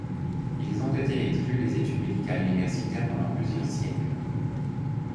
Ils ont été exclus des études médicales universitaires pendant plusieurs siècles.